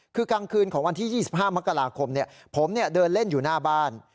คือกลางคืนของวันที่๒๕มกราคมผมเดินเล่นอยู่หน้าบ้าน